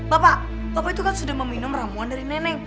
bapak bapak itu kan sudah meminum ramuan dari nenek